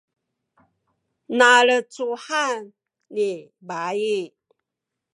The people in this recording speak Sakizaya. nalecuhan ni bayi